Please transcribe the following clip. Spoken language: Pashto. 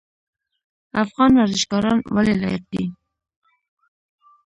افغان ورزشکاران ولې لایق دي؟